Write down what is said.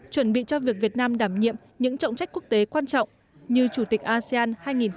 chuẩn bị cho việc việt nam đảm nhiệm những trọng trách quốc tế quan trọng như chủ tịch asean hai nghìn hai mươi